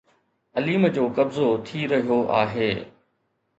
عليم جو قبضو ٿي رهيو آهي